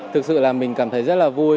thực sự là mình cảm thấy rất là vui